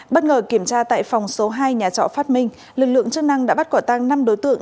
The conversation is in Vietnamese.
bất ngờ kiểm tra tại phòng số hai nhà trọ phát minh lực lượng chức năng đã bắt quả tăng năm đối tượng